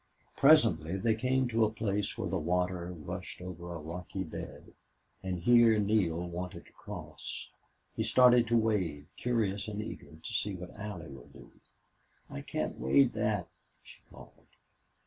Presently they came to a place where the water rushed over a rocky bed, and here Neale wanted to cross. He started to wade, curious and eager to see what Allie would do. "I can't wade that," she called.